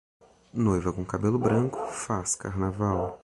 Noiva com cabelo branco faz carnaval.